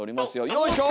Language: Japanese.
よいしょ！